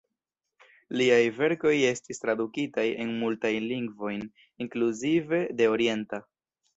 Liaj verkoj estis tradukitaj en multajn lingvojn, inkluzive de orienta.